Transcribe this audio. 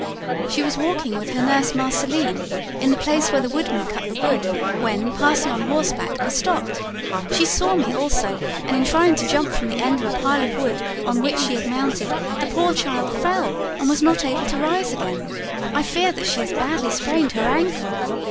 "She was walking with her nurse Marceline, in the place where the woodmen cut the wood, when, passing on horseback, I stopped. She saw me also and in trying to jump from the end of a pile of wood on which she had mounted, the poor child fell and was not able to rise again. I fear that she has badly sprained her ankle."